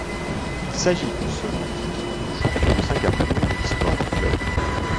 Il s'agit du second titre de champion de Singapour de l'histoire du club.